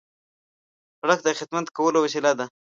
سړک د خدمت کولو وسیله ده.